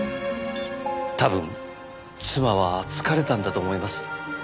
多分妻は疲れたんだと思います。